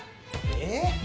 えっ！？